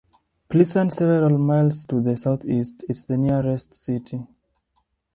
Pleasant, several miles to the southeast, is the nearest city.